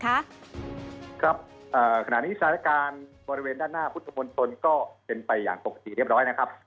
ครับครับขณะนี้สถานการณ์บริเวณด้านหน้าพุทธมนตรก็เป็นไปอย่างปกติเรียบร้อยนะครับ